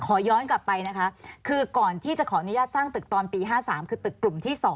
ขอย้อนกลับไปนะคะคือก่อนที่จะขออนุญาตสร้างตึกตอนปี๕๓คือตึกกลุ่มที่๒